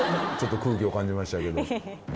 ちょっと空気を感じましたけど。